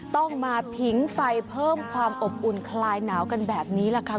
ต้องมาผิงไฟเพิ่มความอบอุ่นคลายหนาวกันแบบนี้แหละค่ะ